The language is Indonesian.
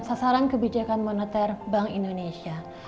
sasaran kebijakan moneter bank indonesia